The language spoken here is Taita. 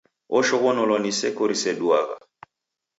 Oshoghonolwa ni seko riseduagha!